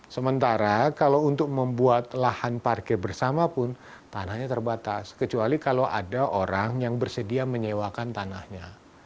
sementara kalau untuk membuat lahan parkir bersama pun tanahnya terbatas kecuali kalau ada orang yang bersedia menyewakan tanahnya